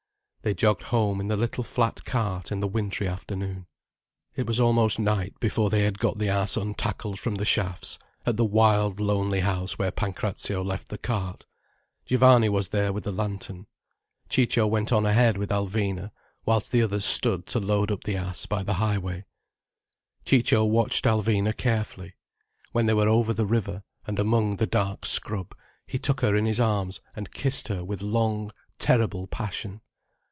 They jogged home in the little flat cart in the wintry afternoon. It was almost night before they had got the ass untackled from the shafts, at the wild lonely house where Pancrazio left the cart. Giovanni was there with the lantern. Ciccio went on ahead with Alvina, whilst the others stood to load up the ass by the high way. Ciccio watched Alvina carefully. When they were over the river, and among the dark scrub, he took her in his arms and kissed her with long, terrible passion.